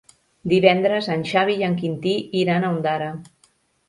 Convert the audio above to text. Divendres en Xavi i en Quintí iran a Ondara.